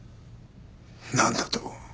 なんだと！？